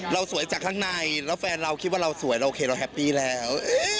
สวยจากข้างในแล้วแฟนเราคิดว่าเราสวยเราโอเคเราแฮปปี้แล้ว